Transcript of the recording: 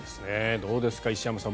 どうですか、石山さん